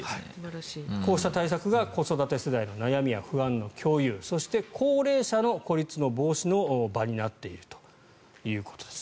こうした対策が子育て世代の悩みや不安の共有そして高齢者の孤立の防止の場になっているということです。